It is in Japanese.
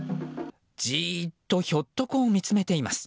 じーっとひょっとこを見つめています。